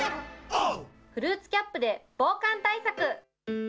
フルーツキャップで防寒対策。